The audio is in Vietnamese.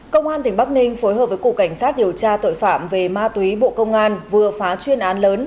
công an tỉnh bắc ninh phối hợp với cục cảnh sát điều tra tội phạm về ma túy bộ công an vừa phá chuyên án lớn